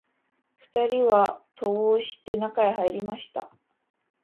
二人は戸を押して、中へ入りました